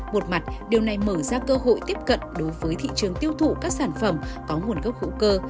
một mặt điều này mở ra cơ hội tiếp cận đối với thị trường tiêu thụ các sản phẩm có nguồn gốc hữu cơ